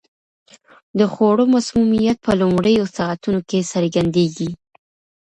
د خوړو مسمومیت په لومړیو ساعتونو کې څرګندیږي.